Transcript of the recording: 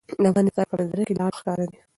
د افغانستان په منظره کې لعل ښکاره ده.